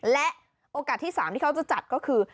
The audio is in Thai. และโอกาสที่๓ที่เขาจะจัดก็คือ